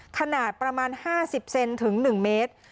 ขนาดประมาณห้าสิบเซนถึงหนึ่งเมตร